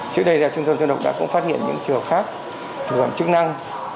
trước đây là trung tâm thương độc đã cũng phát hiện những trường hợp khác trường hợp chức năng